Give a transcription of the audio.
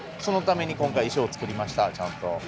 そのために今回衣装を作りましたちゃんと。